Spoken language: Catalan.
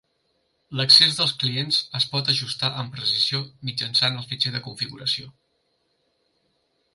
L'accés dels clients es pot ajustar amb precisió mitjançant el fitxer de configuració.